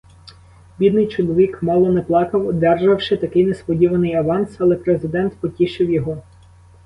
Бідний чоловік мало не плакав, одержавши такий несподіваний аванс, але президент потішив його.